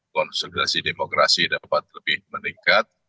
konsolidasi demokrasi dapat lebih meningkat